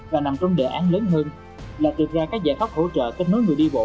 và nằm trong đề án lớn hơn là tìm ra các giải pháp hỗ trợ kết nối người đi bộ